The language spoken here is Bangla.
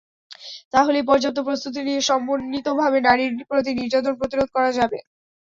তাহলেই পর্যাপ্ত প্রস্তুতি নিয়ে সমন্বিতভাবে নারীর প্রতি নির্যাতন প্রতিরোধ করা যাবে।